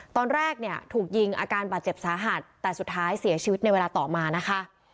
ตอนแรกเนี่ยถูกยิงอาการบาดเจ็บสาหัสแต่สุดท้ายเสียชีวิตในเวลาต่อมานะคะ